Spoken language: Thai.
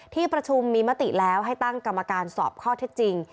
ที่ประชุมมีมติแล้วให้ตั้งกรรมการสอบข้อเท็จจริง